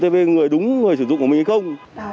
về đúng người sử dụng của mình hay không